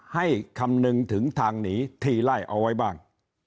คำนึงถึงทางหนีทีไล่เอาไว้บ้าง